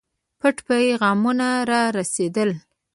پټ پیغامونه را رسېدل.